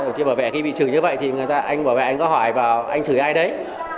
đồng chí bảo vệ khi bị chửi như vậy thì anh bảo vệ anh có hỏi vào anh chửi ai đấy